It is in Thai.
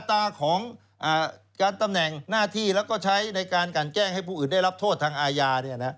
ตาของการตำแหน่งหน้าที่แล้วก็ใช้ในการกันแกล้งให้ผู้อื่นได้รับโทษทางอาญา